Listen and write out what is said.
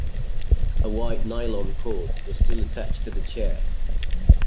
A white nylon cord was still attached to the chair.